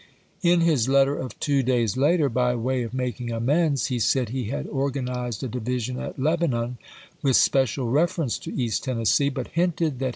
In his letter of two days later, by way of making amends, he said he had organized a division at Lebanon with special reference to East Tennessee, but hinted that he Maynard and